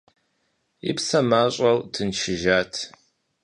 И псэр мащӀэу тыншыжат…